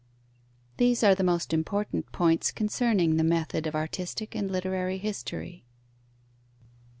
These are the most important points concerning the method of artistic and literary history.